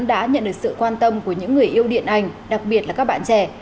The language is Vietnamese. đã nhận được sự quan tâm của những người yêu điện ảnh đặc biệt là các bạn trẻ